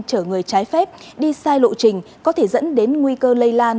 chở người trái phép đi sai lộ trình có thể dẫn đến nguy cơ lây lan